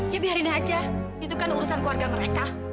ya biarin aja itu kan urusan keluarga mereka